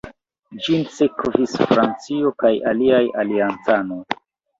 Ĝin sekvis Francio kaj aliaj aliancanoj.